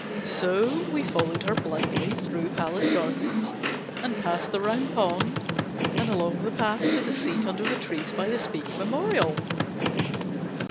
So we followed her blindly through Palace Gardens, and past the Round Pond, and along the path to the seat under the trees by the Speke Memorial.